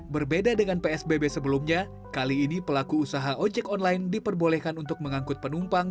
berbeda dengan psbb sebelumnya kali ini pelaku usaha ojek online diperbolehkan untuk mengangkut penumpang